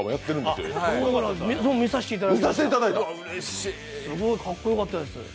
すごいかっこよかったです。